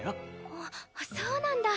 あっそうなんだ。